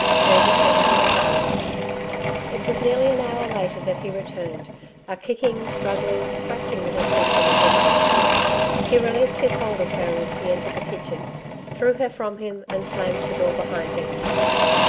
Davey set off at a run. It was nearly an hour later that he returned, a kicking, struggling, scratching, little creature in his arms. He released his hold of her as he entered the kitchen, threw her from him, and slammed the door behind him.